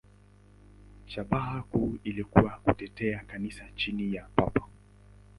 Shabaha kuu ilikuwa kutetea Kanisa chini ya Papa.